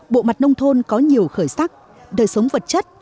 bộ mặt nông thôn có nhiều khởi sắc đời sống vật chất